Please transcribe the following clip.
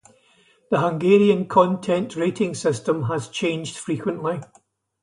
The Hungarian content rating system has changed frequently.